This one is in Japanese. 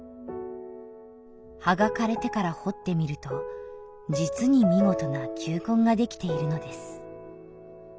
「葉が枯れてから掘ってみると実に見事な球根が出来ているのです」